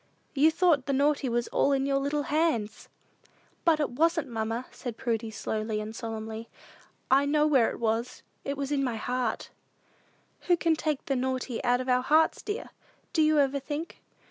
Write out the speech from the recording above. You thought the naughty was all in your little hands!" "But it wasn't, mamma," said Prudy, slowly and solemnly. "I know where it was: it was in my heart." "Who can take the naughty out of our hearts, dear? Do you ever think?"